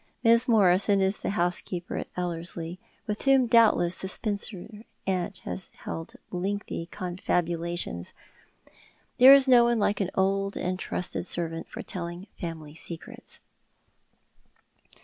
Mrs. Morison is the housekeeper at Ellerslie, with whom doubtless the spinster aunt has held lengthy confabulations. There is no one like an old and trusted servant for telling family secrets.